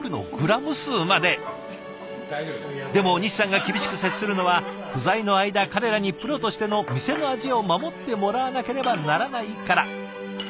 でも西さんが厳しく接するのは不在の間彼らにプロとしての店の味を守ってもらわなければならないから。